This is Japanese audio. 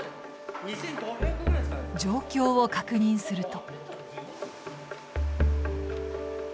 状況を確認すると。